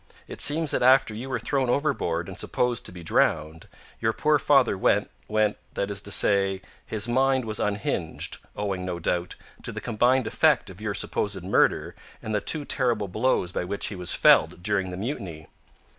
It seems that after you were thrown overboard and supposed to be drowned, your poor father went went that is to say, his mind was unhinged, owing, no doubt, to the combined effect of your supposed murder and the two terrible blows by which he was felled during the mutiny."